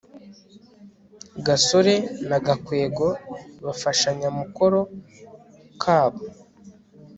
gasore na gakwego bafashanya mukoro kabo